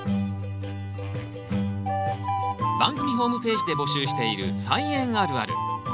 番組ホームページで募集している「菜園あるある」。